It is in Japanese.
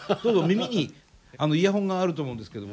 耳にイヤホンがあると思うんですけど。